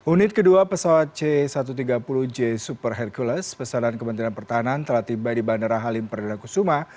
unit kedua pesawat c satu ratus tiga puluh j super hercules pesanan kementerian pertahanan telah tiba di bandara halim perdana kusuma